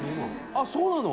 あっそうなの？